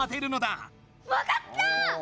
わかった！